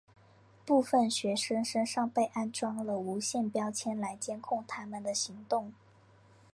部分学生身上被安装了无线标签来监控他们的行动。